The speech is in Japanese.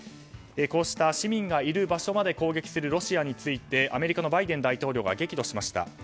こうした市民がいる場所まで攻撃するロシアについてアメリカのバイデン大統領は激怒しました。